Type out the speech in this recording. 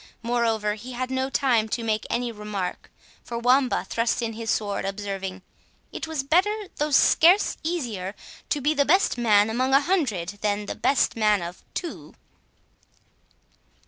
Moreover, he had no time to make any remark, for Wamba thrust in his word, observing, "It was better, though scarce easier, to be the best man among a hundred, than the best man of two."